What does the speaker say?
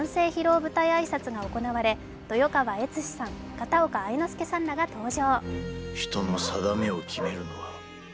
舞台挨拶が行われ、豊川悦司さん、片岡愛之助さんらが登場。